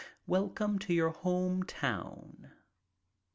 Wel come to your home town.